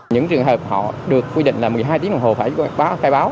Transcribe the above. những trường hợp họ được quy định là một mươi hai tiếng đồng hồ phải báo khai báo